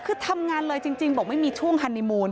คือทำงานเลยจริงบอกไม่มีช่วงฮันนิมูล